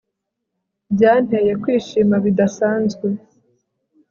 Byanteye kwishima bidasanzwe